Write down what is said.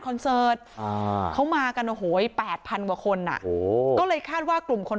คอนเสิร์ตเขามากันโอ้โห๘๐๐๐กว่าคนอ่ะก็เลยคาดว่ากลุ่มคน